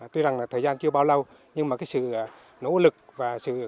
tuy rằng là thời gian chưa bao lâu nhưng mà cái sự nỗ lực và sự